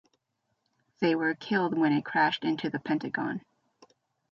They were killed when it crashed into the Pentagon.